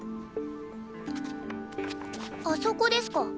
あそこですか？